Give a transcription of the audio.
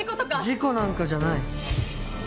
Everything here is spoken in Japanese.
事故なんかじゃない。